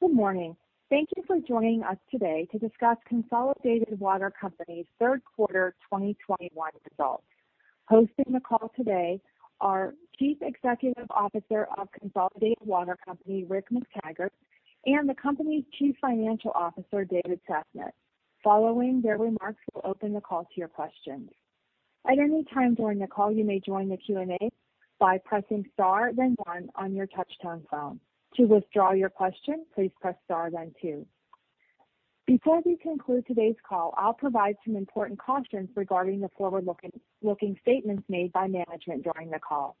Good morning. Thank you for joining us today to discuss Consolidated Water Co. Ltd.'s Q3 2021 results. Hosting the call today are Chief Executive Officer of Consolidated Water Co. Ltd., Rick McTaggart, and the company's Chief Financial Officer, David W. Sasnett. Following their remarks, we'll open the call to your questions. At any time during the call, you may join the Q&A by pressing Star then one on your touch-tone phone. To withdraw your question, please press Star then two. Before we conclude today's call, I'll provide some important cautions regarding the forward-looking statements made by management during the call.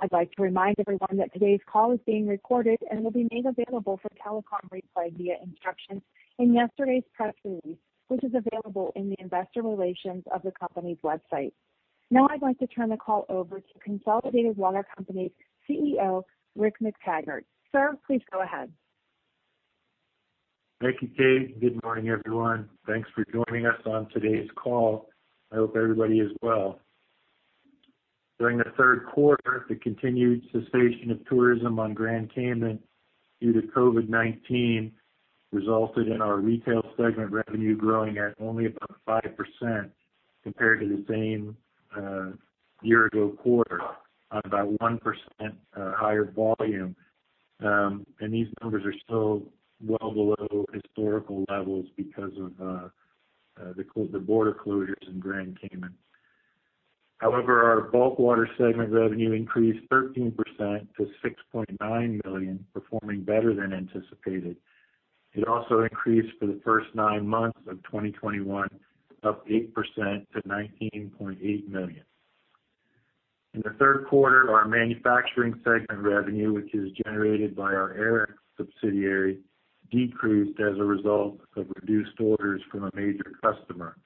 I'd like to remind everyone that today's call is being recorded and will be made available for telecom replay via instructions in yesterday's press release, which is available in the investor relations of the company's website. Now, I'd like to turn the call over to Consolidated Water Co. Ltd.'s CEO, Rick McTaggart. Sir, please go ahead. Thank you, Kate. Good morning, everyone. Thanks for joining us on today's call. I hope everybody is well. During the Q3, the continued cessation of tourism on Grand Cayman due to COVID-19 resulted in our Retail segment revenue growing at only about 5% compared to the same year-ago quarter on about 1% higher volume. These numbers are still well below historical levels because of the border closures in Grand Cayman. However, our bulk water segment revenue increased 13% to $6.9 million, performing better than anticipated. It also increased for the 1st nine months of 2021, up 8% to $19.8 million. In the Q3, our Manufacturing segment revenue, which is generated by our Aerex subsidiary, decreased as a result of reduced orders from a major customer.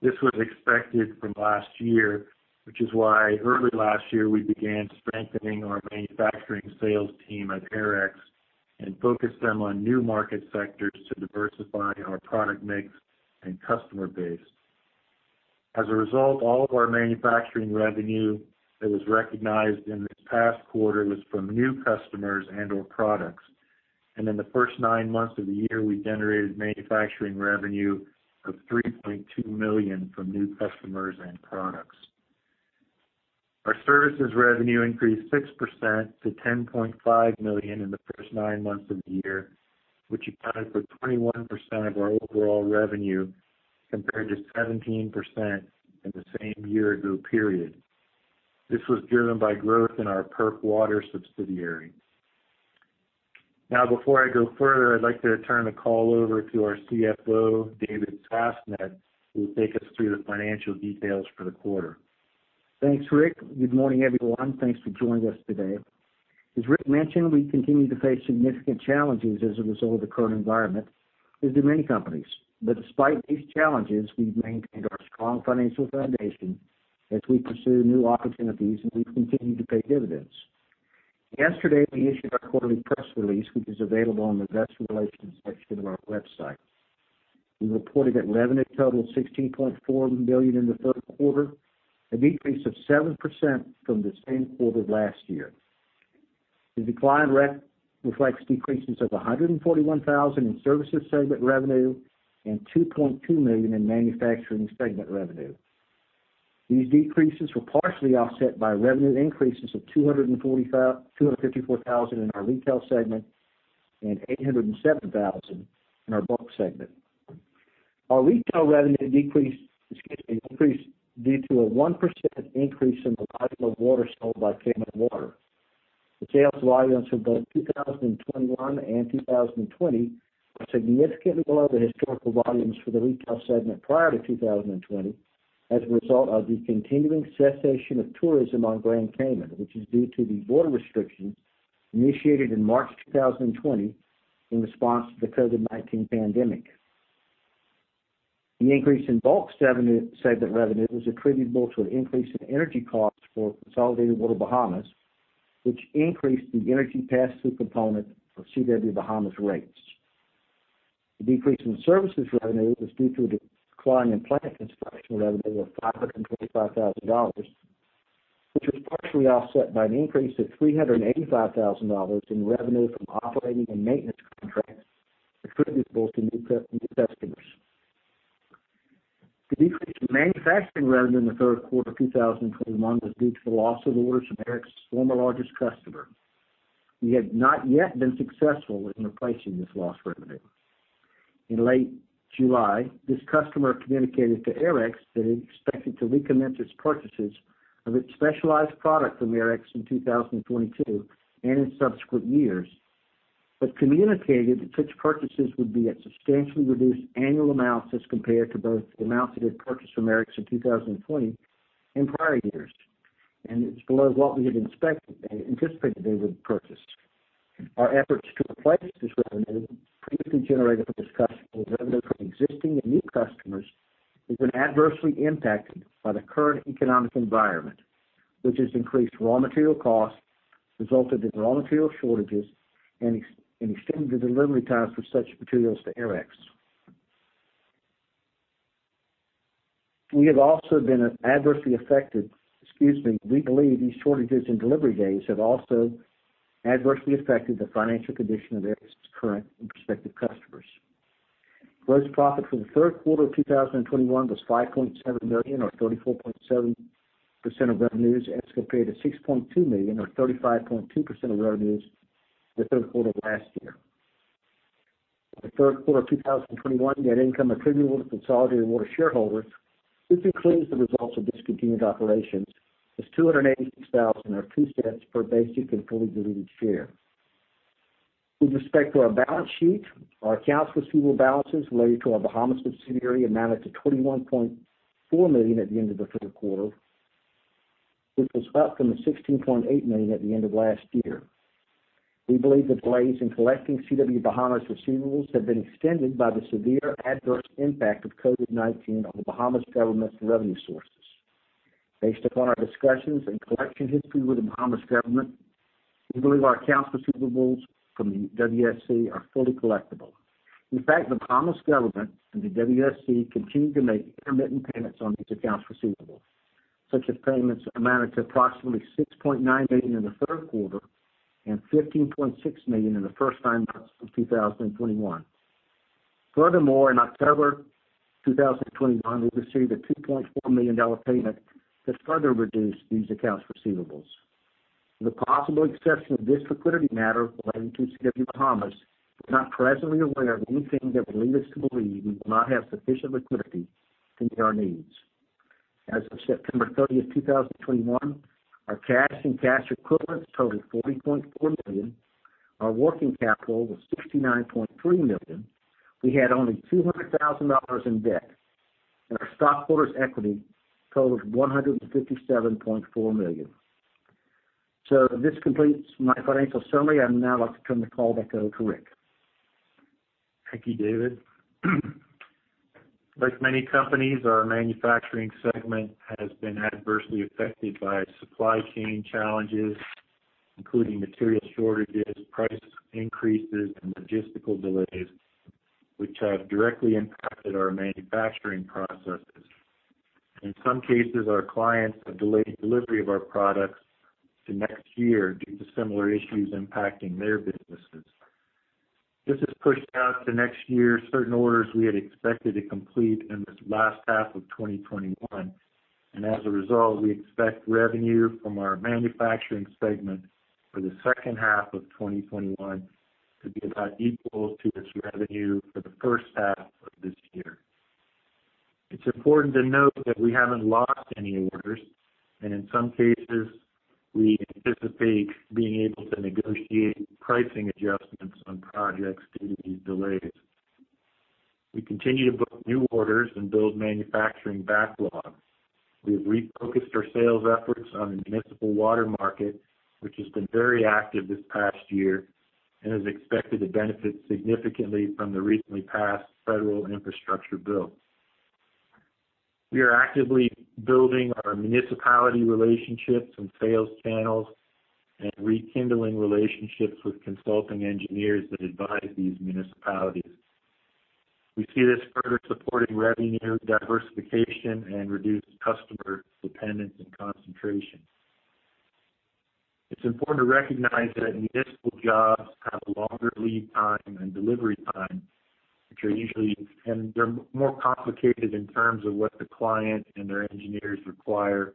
This was expected from last year, which is why early last year we began strengthening our manufacturing sales team at Aerex and focused them on new market sectors to diversify our product mix and customer base. As a result, all of our manufacturing revenue that was recognized in this past quarter was from new customers and/or products. In the 1st nine months of the year, we generated manufacturing revenue of $3.2 million from new customers and products. Our services revenue increased 6% to $10.5 million in the first nine months of the year, which accounted for 21% of our overall revenue, compared to 17% in the same year-ago period. This was driven by growth in our PERC Water subsidiary. Now, before I go further, I'd like to turn the call over to our CFO, David W. Sasnett, who will take us through the financial details for the quarter. Thanks, Rick. Good morning, everyone. Thanks for joining us today. As Rick mentioned, we continue to face significant challenges as a result of the current environment, as do many companies. Despite these challenges, we've maintained our strong financial foundation as we pursue new opportunities, and we've continued to pay dividends. Yesterday, we issued our quarterly press release, which is available on the investor relations section of our website. We reported that revenue totaled $16.4 billion in the Q3, a decrease of 7% from the same quarter last year. The decline reflects decreases of $141,000 in services segment revenue and $2.2 million in manufacturing segment revenue. These decreases were partially offset by revenue increases of $254,000 in our retail segment and $807,000 in our bulk segment. Our retail revenue increased due to a 1% increase in the volume of water sold by Cayman Water. The sales volumes for both 2021 and 2020 were significantly below the historical volumes for the retail segment prior to 2020 as a result of the continuing cessation of tourism on Grand Cayman, which is due to the border restrictions initiated in March 2020 in response to the COVID-19 pandemic. The increase in bulk segment revenue was attributable to an increase in energy costs for Consolidated Water Bahamas, which increased the energy pass-through component for CW Bahamas rates. The decrease in services revenue was due to a decline in plant construction revenue of $525,000, which was partially offset by an increase of $385,000 in revenue from operating and maintenance contracts attributable to new customers. The decrease in manufacturing revenue in the Q3 of 2021 was due to the loss of orders from Aerex's former largest customer. We have not yet been successful in replacing this lost revenue. In late July, this customer communicated to Aerex that it expected to recommence its purchases of its specialized product from Aerex in 2022 and in subsequent years, but communicated that such purchases would be at substantially reduced annual amounts as compared to both the amounts it had purchased from Aerex in 2020 and prior years. It's below what we had anticipated they would purchase. Our efforts to replace this revenue previously generated from this customer's revenue from existing and new customers has been adversely impacted by the current economic environment, which has increased raw material costs, resulted in raw material shortages, and extended the delivery times for such materials to Aerex. We believe these shortages in delivery dates have also adversely affected the financial condition of Aerex's current and prospective customers. Gross profit for the Q3 of 2021 was $5.7 million or 34.7% of revenues as compared to $6.2 million or 35.2% of revenues the Q3 of last year. For the Q3 of 2021, net income attributable to Consolidated Water shareholders, this includes the results of discontinued operations, was $286,000 or $0.02 per basic and fully diluted share. With respect to our balance sheet, our accounts receivable balances related to our Bahamas subsidiary amounted to $21.4 million at the end of the Q3, which was up from the $16.8 million at the end of last year. We believe the delays in collecting CW-Bahamas receivables have been extended by the severe adverse impact of COVID-19 on the Bahamas government's revenue sources. Based upon our discussions and collection history with the Bahamas government, we believe our accounts receivable from the WSC are fully collectible. In fact, the Bahamas government and the WSC continue to make intermittent payments on these accounts receivable, such as payments amounted to approximately $6.9 million in the Q3 and $15.6 million in the first nine months of 2021. Furthermore, in October 2021, we received a $2.4 million payment that further reduced these accounts receivable. With the possible exception of this liquidity matter relating to CW-Bahamas, we're not presently aware of anything that would lead us to believe we do not have sufficient liquidity to meet our needs. As of September 30, 2021, our cash and cash equivalents totaled $40.4 million, our working capital was $69.3 million, we had only $200,000 in debt, and our stockholders' equity totaled $157.4 million. This completes my financial summary. I'd now like to turn the call back over to Rick. Thank you, David. Like many companies, our manufacturing segment has been adversely affected by supply chain challenges, including material shortages, price increases, and logistical delays, which have directly impacted our manufacturing processes. In some cases, our clients have delayed delivery of our products to next year due to similar issues impacting their businesses. This has pushed out to next year certain orders we had expected to complete in this last half of 2021. As a result, we expect revenue from our manufacturing segment for the second half of 2021 to be about equal to its revenue for the first half of this year. It's important to note that we haven't lost any orders, and in some cases, we anticipate being able to negotiate pricing adjustments on projects due to these delays. We continue to book new orders and build manufacturing backlog. We have refocused our sales efforts on the municipal water market, which has been very active this past year and is expected to benefit significantly from the recently passed federal infrastructure bill. We are actively building our municipality relationships and sales channels and rekindling relationships with consulting engineers that advise these municipalities. We see this further supporting revenue diversification and reduced customer dependence and concentration. It's important to recognize that municipal jobs have longer lead time and delivery time, which are usually, and they're more complicated in terms of what the client and their engineers require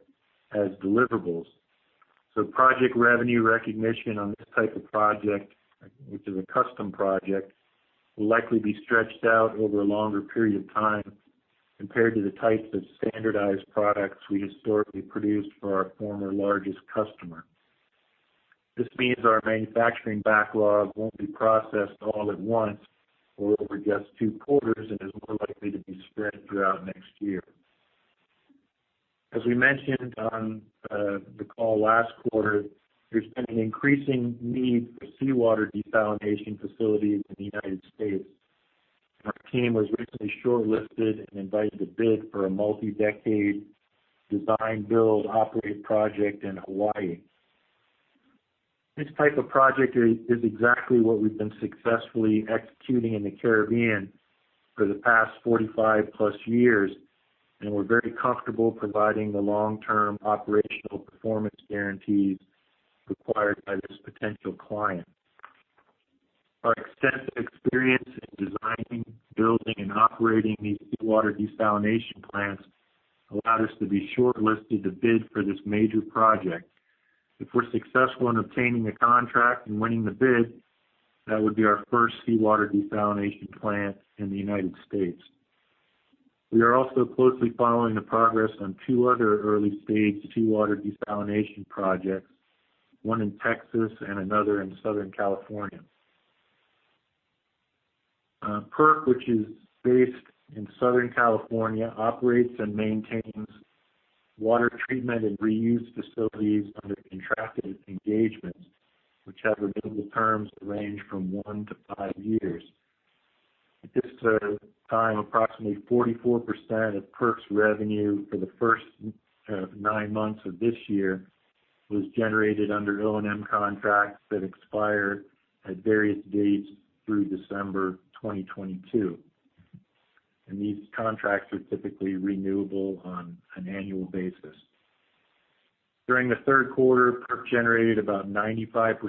as deliverables. Project revenue recognition on this type of project, which is a custom project, will likely be stretched out over a longer period of time compared to the types of standardized products we historically produced for our former largest customer. This means our manufacturing backlog won't be processed all at once or over just Q2 and is more likely to be spread throughout next year. As we mentioned on the call last quarter, there's been an increasing need for seawater desalination facilities in the United States. Our team was recently shortlisted and invited to bid for a multi-decade design, build, operate project in Hawaii. This type of project is exactly what we've been successfully executing in the Caribbean for the past 45+ years, and we're very comfortable providing the long-term operational performance guarantees required by this potential client. Our extensive experience in designing, building, and operating these seawater desalination plants allowed us to be shortlisted to bid for this major project. If we're successful in obtaining a contract and winning the bid, that would be our first seawater desalination plant in the United States. We are also closely following the progress on two other early-stage seawater desalination projects, one in Texas and another in Southern California. PERC, which is based in Southern California, operates and maintains water treatment and reuse facilities under contracted engagements, which have renewable terms that range from one to five years. At this time, approximately 44% of PERC's revenue for the 1st nine months of this year was generated under O&M contracts that expire at various dates through December 2022. These contracts are typically renewable on an annual basis. During the Q3, PERC generated about 95%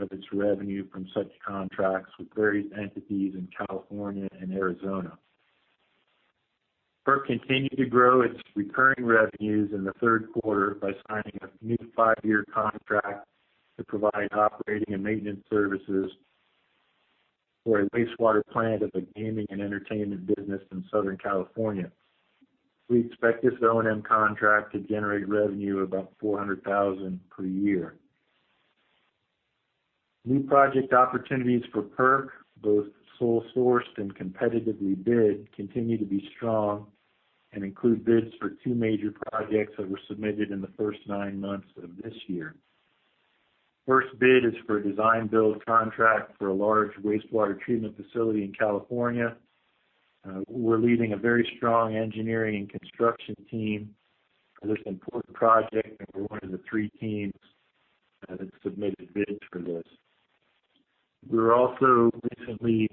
of its revenue from such contracts with various entities in California and Arizona. PERC continued to grow its recurring revenues in the Q3 by signing a new five-year contract to provide operating and maintenance services for a wastewater plant at the gaming and entertainment business in Southern California. We expect this O&M contract to generate revenue of about $400,000 per year. New project opportunities for PERC, both sole sourced and competitively bid, continue to be strong and include bids for two major projects that were submitted in the 1st nine months of this year. 1st bid is for a design build contract for a large wastewater treatment facility in California. We're leading a very strong engineering and construction team for this important project, and we're one of the three teams that submitted bids for this. We were also recently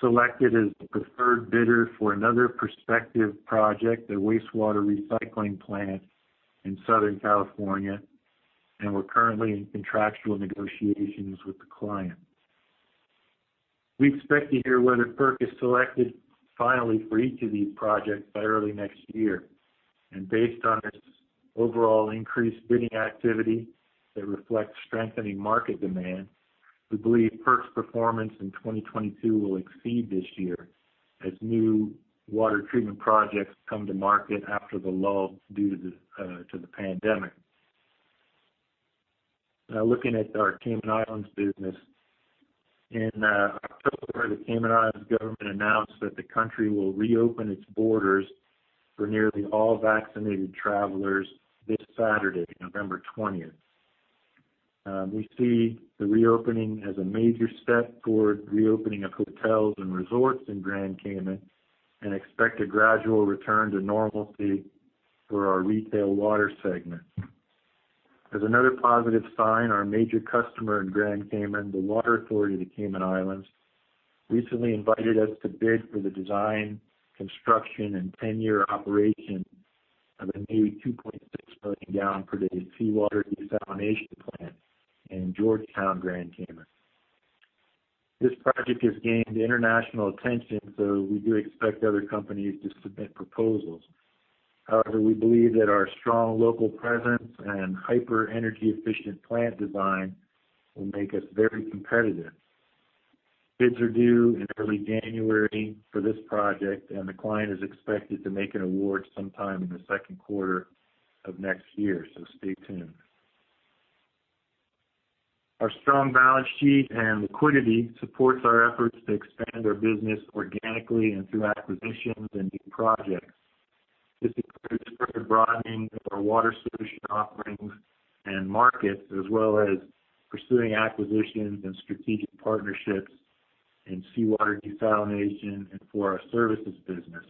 selected as the preferred bidder for another prospective project, a wastewater recycling plant in Southern California, and we're currently in contractual negotiations with the client. We expect to hear whether PERC is selected finally for each of these projects by early next year. Based on this overall increased bidding activity that reflects strengthening market demand, we believe PERC's performance in 2022 will exceed this year as new water treatment projects come to market after the lull due to the pandemic. Now looking at our Cayman Islands business. In October, the Cayman Islands government announced that the country will reopen its borders for nearly all vaccinated travelers this Saturday, November 20h. We see the reopening as a major step toward reopening of hotels and resorts in Grand Cayman and expect a gradual return to normalcy for our retail water segment. As another positive sign, our major customer in Grand Cayman, the Water Authority of the Cayman Islands, recently invited us to bid for the design, construction, and ten-year operation of a new 2.6 million gallons per day seawater desalination plant in Georgetown, Grand Cayman. This project has gained international attention, so we do expect other companies to submit proposals. However, we believe that our strong local presence and highly energy efficient plant design will make us very competitive. Bids are due in early January for this project, and the client is expected to make an award sometime in the Q2 of next year, so stay tuned. Our strong balance sheet and liquidity supports our efforts to expand our business organically and through acquisitions and new projects. This includes further broadening of our water solution offerings and markets, as well as pursuing acquisitions and strategic partnerships in seawater desalination and for our services business.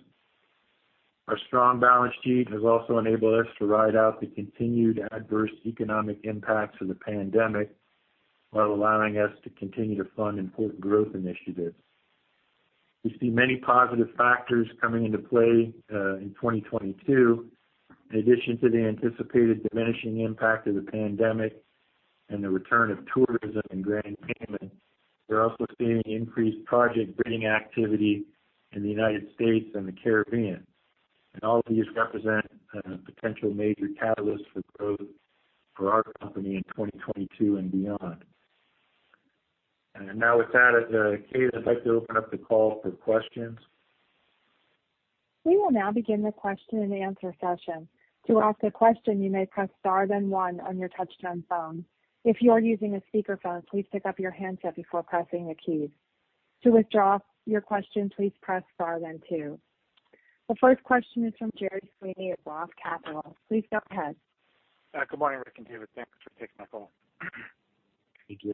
Our strong balance sheet has also enabled us to ride out the continued adverse economic impacts of the pandemic while allowing us to continue to fund important growth initiatives. We see many positive factors coming into play in 2022. In addition to the anticipated diminishing impact of the pandemic and the return of tourism in Grand Cayman, we're also seeing increased project bidding activity in the United States and the Caribbean. All of these represent potential major catalysts for growth for our company in 2022 and beyond. Now with that, Kate, I'd like to open up the call for questions. We will now begin the question and answer session. The 1st question is from Gerard Sweeney at Roth Capital. Please go ahead. Good morning, Rick and David. Thanks for taking my call. Thank you.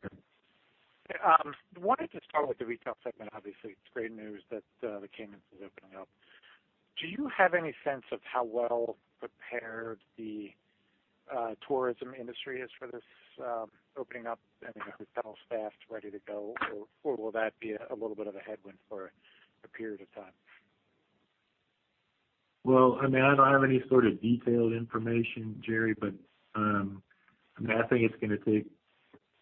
Wanted to start with the retail segment. Obviously, it's great news that the Cayman Islands is opening up. Do you have any sense of how well prepared the tourism industry is for this opening up? I mean, are the hotels staffed, ready to go, or will that be a little bit of a headwind for a period of time? Well, I mean, I don't have any sort of detailed information, Gerry, but I mean, I think it's gonna take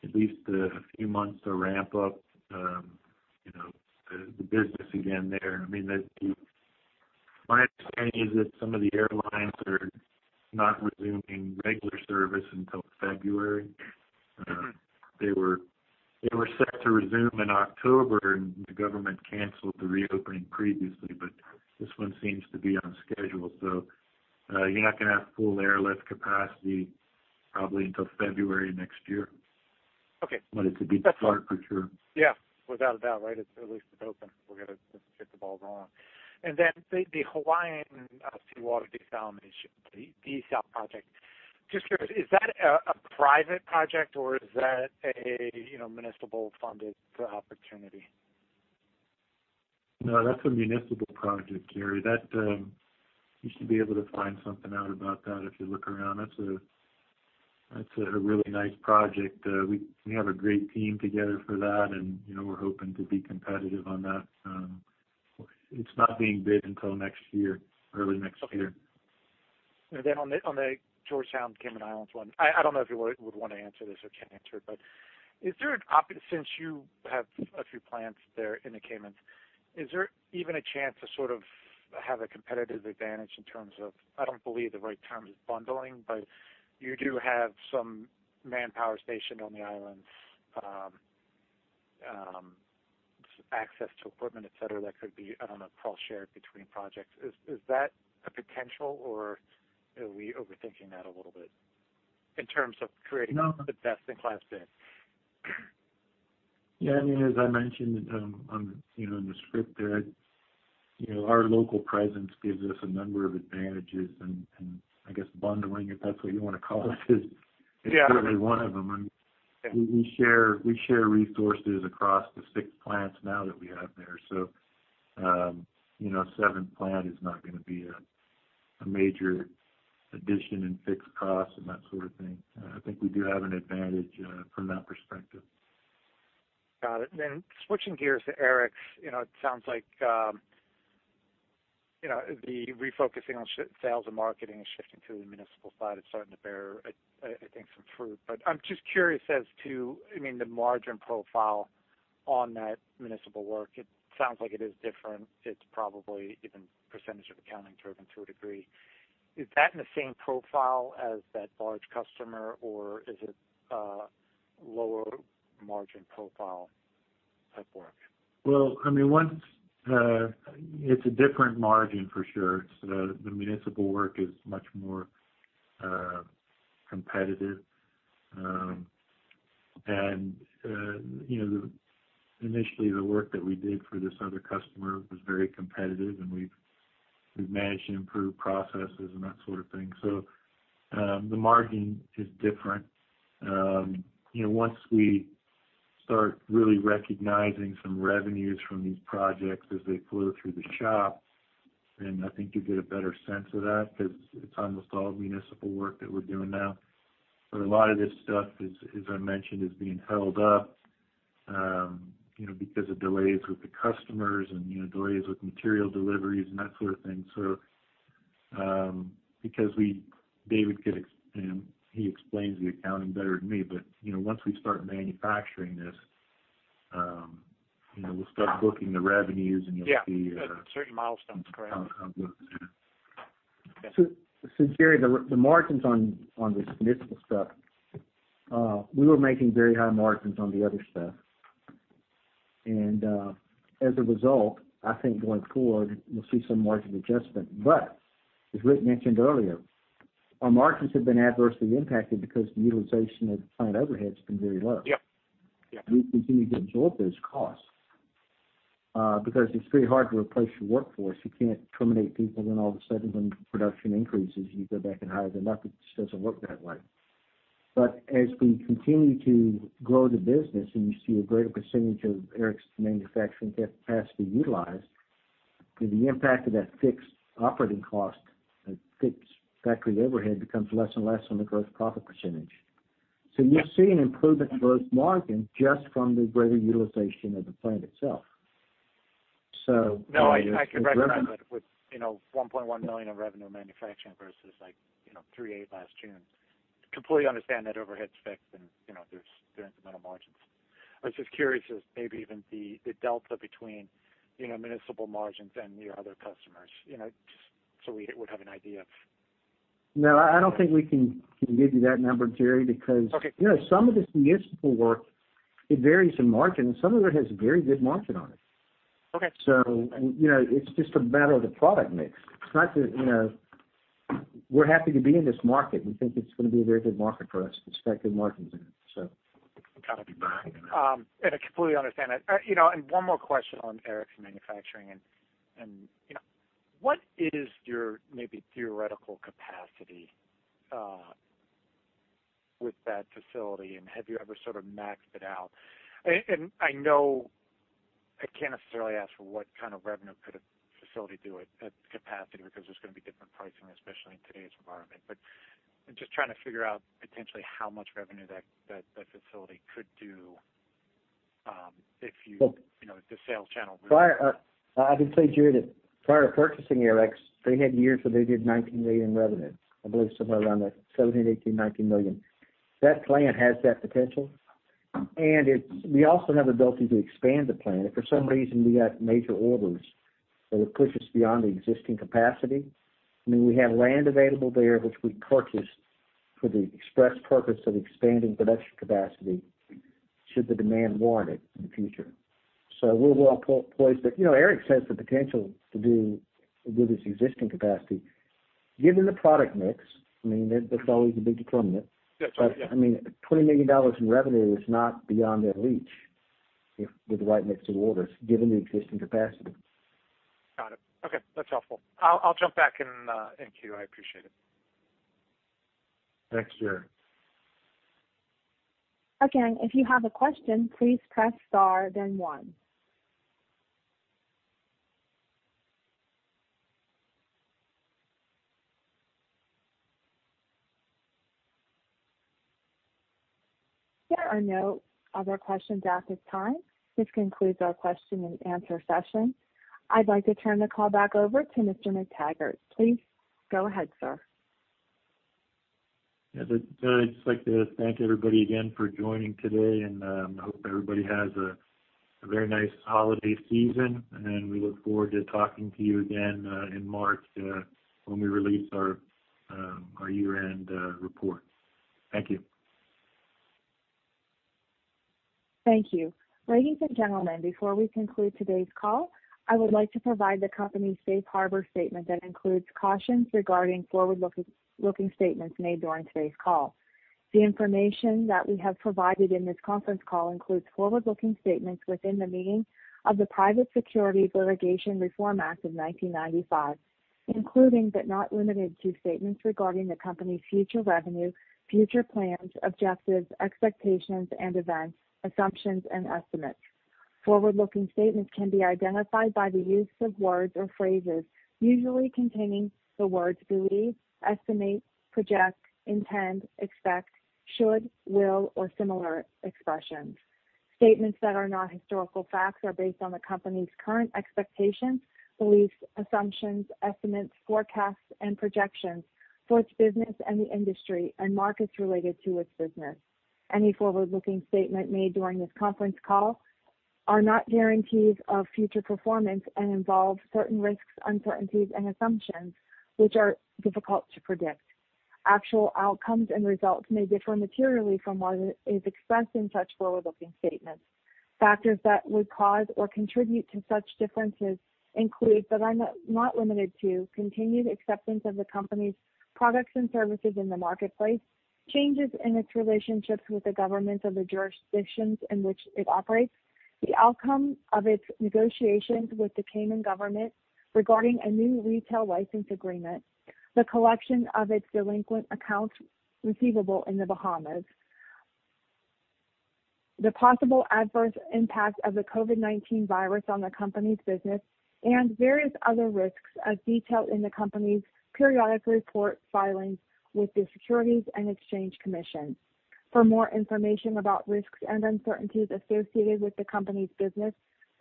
at least a few months to ramp up you know the business again there. I mean, my understanding is that some of the airlines are not resuming regular service until February. They were set to resume in October, and the government canceled the reopening previously, but this one seems to be on schedule. You're not gonna have full airlift capacity probably until February next year. Okay. It could be farther for sure. Yeah. Without a doubt, right. At least it's open. We're gonna just get the ball rolling. Then the Hawaiian seawater desalination, the desal project. Just curious, is that a private project or is that a, you know, municipal funded opportunity? No, that's a municipal project, Gerry. That, you should be able to find something out about that if you look around. That's a really nice project. We have a great team together for that, and you know, we're hoping to be competitive on that. It's not being bid until next year, early next year. Okay. Then on the George Town, Cayman Islands one, I don't know if you would wanna answer this or can't answer it, but since you have a few plants there in the Cayman Islands, is there even a chance to sort of have a competitive advantage in terms of, I don't believe the right term is bundling, but you do have some manpower stationed on the islands, access to equipment, et cetera, that could be, I don't know, cross-shared between projects. Is that a potential or are we overthinking that a little bit in terms of creating- No. the best-in-class bid? Yeah. I mean, as I mentioned, on the, you know, in the script there, you know, our local presence gives us a number of advantages and I guess bundling, if that's what you wanna call it, is Yeah. Certainly one of them. We share resources across the six plants now that we have there. You know, seventh plant is not gonna be a major addition in fixed costs and that sort of thing. I think we do have an advantage from that perspective. Got it. Switching gears to Aerex. You know, it sounds like you know, the refocusing on sales and marketing and shifting to the municipal side is starting to bear, I think, some fruit. I'm just curious as to, I mean, the margin profile on that municipal work, it sounds like it is different. It's probably even percentage of completion accounting driven, to a degree. Is that in the same profile as that large customer or is it a lower margin profile type work? Well, I mean, once it's a different margin for sure. The municipal work is much more competitive. You know, initially, the work that we did for this other customer was very competitive, and we've managed to improve processes and that sort of thing. The margin is different. You know, once we start really recognizing some revenues from these projects as they flow through the shop, and I think you get a better sense of that 'cause it's almost all municipal work that we're doing now. A lot of this stuff is, as I mentioned, being held up, you know, because of delays with the customers and, you know, delays with material deliveries and that sort of thing. You know, he explains the accounting better than me, but, you know, once we start manufacturing this, you know, we'll start booking the revenues, and you'll see. Yeah. At certain milestones. Correct. How it looks. Yeah. Okay. Gerry, the margins on this municipal stuff, we were making very high margins on the other stuff. As a result, I think going forward, you'll see some margin adjustment. As Rick mentioned earlier, our margins have been adversely impacted because the utilization of the plant overhead's been very low. Yep. Yep. We continue to absorb those costs, because it's pretty hard to replace your workforce. You can't terminate people, then all of a sudden when production increases, you go back and hire them up. It just doesn't work that way. As we continue to grow the business and you see a greater percentage of Aerex manufacturing capacity utilized, then the impact of that fixed operating cost, that fixed factory overhead becomes less and less on the gross profit percentage. Yeah. You'll see an improvement in gross margin just from the greater utilization of the plant itself. No, I can recognize that with, you know, $1.1 million in revenue manufacturing versus like, you know, $3.8 million last June. I completely understand that overhead's fixed and, you know, there are incremental margins. I was just curious as maybe even the delta between, you know, municipal margins and your other customers, you know, just so we would have an idea of. No, I don't think we can give you that number, Gerry, because. Okay. You know, some of this municipal work, it varies in margin, and some of it has very good margin on it. Okay. You know, it's just a matter of the product mix. It's not that, you know, we're happy to be in this market. We think it's gonna be a very good market for us. We expect good margins in it. Got it. Be buying in it. I completely understand that. You know, one more question on Aerex manufacturing and you know, what is your maybe theoretical capacity with that facility, and have you ever sort of maxed it out? I know I can't necessarily ask for what kind of revenue could a facility do at capacity because there's gonna be different pricing, especially in today's environment. I'm just trying to figure out potentially how much revenue that facility could do? If you- Well- you know, if the sales channel were I would say, Gerry, that prior to purchasing Aerex, they had years where they did $19 million revenue. I believe somewhere around the $17-$19 million. That plant has that potential, and we also have the ability to expand the plant. If for some reason we got major orders that would push us beyond the existing capacity, I mean, we have land available there which we purchased for the express purpose of expanding production capacity should the demand warrant it in the future. So we're well placed. Aerex has the potential to do with its existing capacity. Given the product mix, I mean, that's always a big determinant. Yes. Right. Yeah. I mean, $20 million in revenue is not beyond their reach if, with the right mix of orders, given the existing capacity. Got it. Okay. That's helpful. I'll jump back in in queue. I appreciate it. Thanks, Gerry. Again, if you have a question, please press star then one. There are no other questions at this time. This concludes our question and answer session. I'd like to turn the call back over to Mr. McTaggart. Please go ahead, sir. Yeah, I'd just like to thank everybody again for joining today, and hope everybody has a very nice holiday season, and we look forward to talking to you again in March when we release our year-end report. Thank you. Thank you. Ladies and gentlemen, before we conclude today's call, I would like to provide the company's safe harbor statement that includes cautions regarding forward-looking statements made during today's call. The information that we have provided in this conference call includes forward-looking statements within the meaning of the Private Securities Litigation Reform Act of 1995, including but not limited to statements regarding the company's future revenue, future plans, objectives, expectations and events, assumptions, and estimates. Forward-looking statements can be identified by the use of words or phrases usually containing the words believe, estimate, project, intend, expect, should, will, or similar expressions. Statements that are not historical facts are based on the company's current expectations, beliefs, assumptions, estimates, forecasts and projections for its business and the industry and markets related to its business. Any forward-looking statement made during this conference call are not guarantees of future performance and involve certain risks, uncertainties and assumptions which are difficult to predict. Actual outcomes and results may differ materially from what is expressed in such forward-looking statements. Factors that would cause or contribute to such differences include, but are not limited to, continued acceptance of the company's products and services in the marketplace, changes in its relationships with the governments of the jurisdictions in which it operates, the outcome of its negotiations with the Cayman government regarding a new retail license agreement, the collection of its delinquent accounts receivable in the Bahamas, the possible adverse impact of the COVID-19 virus on the company's business, and various other risks as detailed in the company's periodic report filings with the Securities and Exchange Commission. For more information about risks and uncertainties associated with the company's business,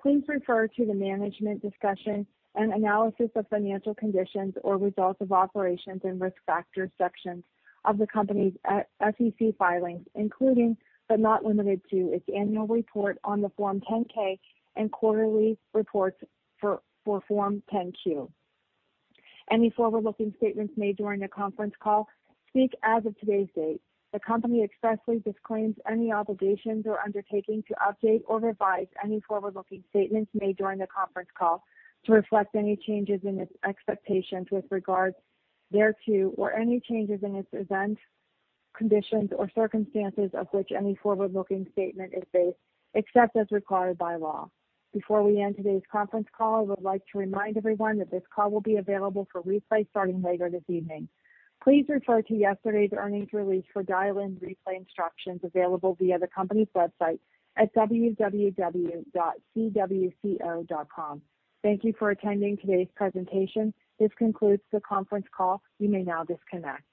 please refer to the Management's Discussion and Analysis of Financial Condition and Results of Operations and Risk Factors sections of the company's SEC filings, including, but not limited to, its annual report on Form 10-K and quarterly reports on Form 10-Q. Any forward-looking statements made during the conference call speak as of today's date. The company expressly disclaims any obligations or undertaking to update or revise any forward-looking statements made during the conference call to reflect any changes in its expectations with regard thereto or any changes in its events, conditions or circumstances on which any forward-looking statement is based, except as required by law. Before we end today's conference call, I would like to remind everyone that this call will be available for replay starting later this evening. Please refer to yesterday's earnings release for dial-in replay instructions available via the company's website at www.cwco.com. Thank you for attending today's presentation. This concludes the conference call. You may now disconnect.